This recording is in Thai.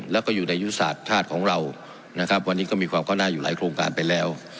แล้วก็อยู่ในยุทธศาสตร์ชาติของเรานะครับวันนี้ก็มีความเข้าหน้าอยู่หลายโครงการไปแล้ว